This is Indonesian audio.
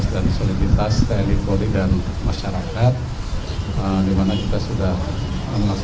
dan kita akan lakukan terus